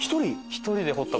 １人で彫った。